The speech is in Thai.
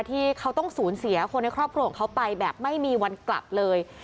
ที่เขาต้องสูญเสียคนในครอบครัวของเขาไปแบบไม่มีวันกลับเลย